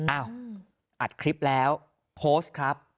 อ้าวอัดคลิปแล้วโพสต์ครับ